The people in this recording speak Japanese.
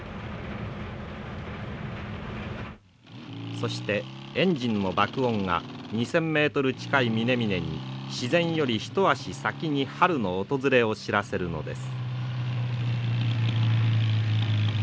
そしてエンジンの爆音が２，０００ｍ近い峰々に自然より一足先に春の訪れを知らせるのです。